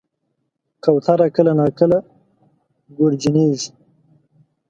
کوتره کله ناکله ګورجنیږي.